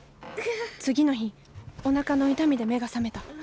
次の日おなかの痛みで目が覚めた。